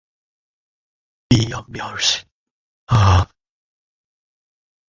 The use of "gigabyte" may thus be ambiguous.